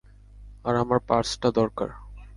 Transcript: আর আমার পার্সটা দরকার।